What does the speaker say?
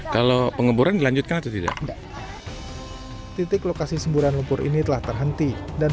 kalau pengemburan dilanjutkan atau tidak titik lokasi semburan lumpur ini telah terhenti dan